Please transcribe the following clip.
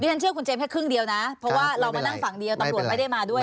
ฉันเชื่อคุณเจมสแค่ครึ่งเดียวนะเพราะว่าเรามานั่งฝั่งเดียวตำรวจไม่ได้มาด้วย